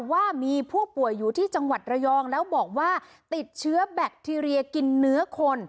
ว่ามีผู้ป่วยอยู่ที่จังหวัดระยองแล้วบอกว่าติดเชื้อแบคทีเรียกินเนื้อคน